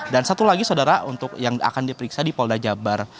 dan satu lagi saudara untuk yang akan diperiksa di polda jabar